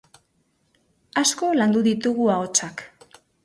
Asko landu ditugu ahotsak.